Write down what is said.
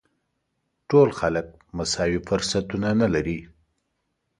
ټول خلک مساوي فرصتونه نه لري.